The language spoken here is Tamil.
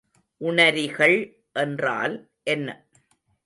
உணரிகள் என்றால் என்ன?